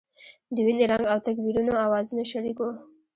د وینې رنګ او تکبیرونو اوازونه شریک وو.